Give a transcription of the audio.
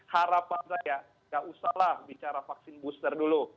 harapan saya nggak usahlah bicara vaksin booster dulu